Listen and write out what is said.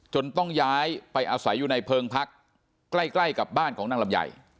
ต้องย้ายไปอาศัยอยู่ในเพิงพักใกล้กับบ้านของนางลำไย